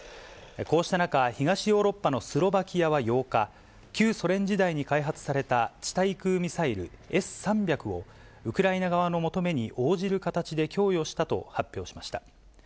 こうした中、東ヨーロッパのスロバキアは８日、旧ソ連時代に開発された地対空ミサイル、Ｓ３００を、ウクライナ側の求めに応じる形で供与したと発表しました。